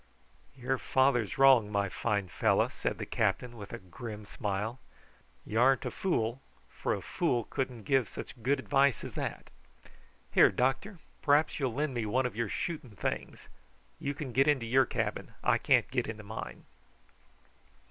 "Your father's wrong, my fine fellow," said the captain with a grim smile; "you ar'n't a fool, for a fool couldn't give such good advice as that. Here, doctor, p'r'aps you'll lend me one of your shooting things. You can get into your cabin; I can't get into mine."